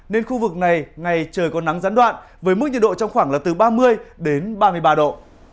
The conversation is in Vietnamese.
nên khu vực này ngày trời có nắng gián đoạn với mức nhiệt độ trong khoảng là từ ba mươi đến ba mươi ba độ